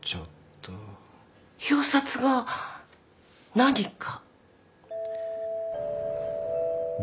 表札が何か。